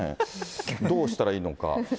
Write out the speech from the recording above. どうしたらいいのか。